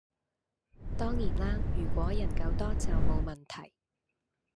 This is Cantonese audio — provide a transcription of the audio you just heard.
當然啦如果人夠多就冇問題